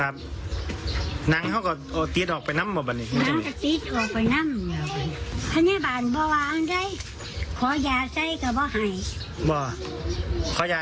จำกัดให้รับมาบานเลยเปล่า